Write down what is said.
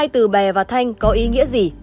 hai từ bè và thanh có ý nghĩa gì